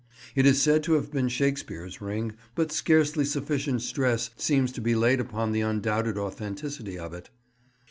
It is said to have been Shakespeare's ring, but scarcely sufficient stress seems to be laid upon the undoubted authenticity of it.